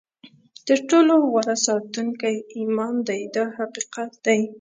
تر ټولو غوره ساتونکی ایمان دی دا حقیقت دی.